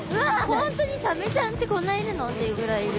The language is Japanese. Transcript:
本当にサメちゃんってこんないるの？っていうぐらいいる。